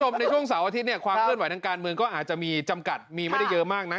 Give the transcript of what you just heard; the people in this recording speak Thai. คุณผู้ชมในช่วงเสาร์อาทิตย์เนี่ยความเคลื่อนไหวทางการเมืองก็อาจจะมีจำกัดมีไม่ได้เยอะมากนัก